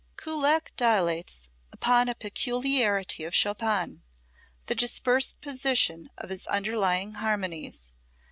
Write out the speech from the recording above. Kullak dilates upon a peculiarity of Chopin: the dispersed position of his underlying harmonies.